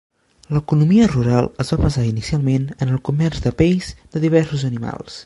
L'economia rural es va basar inicialment en el comerç de pells de diversos animals.